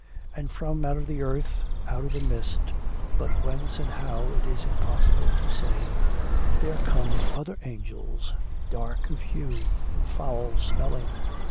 And from out of the earth, out of the mist but whence and how it is impossible to say there come other angels, dark of hue and foul smelling.